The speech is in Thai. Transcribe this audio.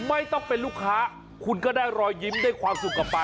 ไม่ต้องเป็นลูกค้าคุณก็ได้รอยยิ้มได้ความสุขกลับไป